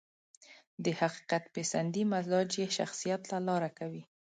د حقيقت پسندي مزاج يې شخصيت ته لاره کوي.